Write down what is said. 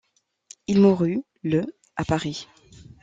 Il mourut le à Paris.